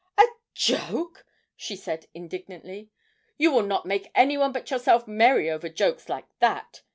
'A joke!' she said indignantly; 'you will not make anyone but yourself merry over jokes like that.